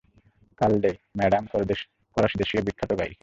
কালভে, madame ফরাসীদেশীয় বিখ্যাত গায়িকা।